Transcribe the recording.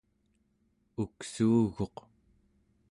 uksuuguq